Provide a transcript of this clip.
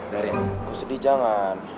deren kau sedih jangan